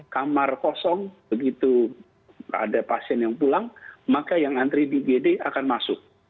kamar kosong begitu ada pasien yang pulang maka yang antri di gd akan masuk